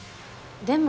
でも。